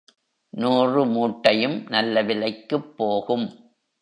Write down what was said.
நூறு மூட்டையும் நல்ல விலைக்குப் போகும்.